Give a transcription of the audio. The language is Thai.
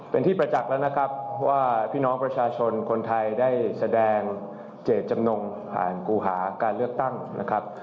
เป็นที่ประจักษ์แล้วนะครับว่าพี่น้องประชาชนคนไทยได้แสดงเจตจำนงผ่านกูหาการเลือกตั้งนะครับ